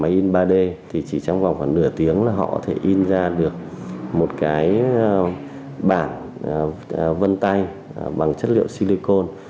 máy in ba d thì chỉ trong vòng khoảng nửa tiếng là họ có thể in ra được một cái bản vân tay bằng chất liệu silicon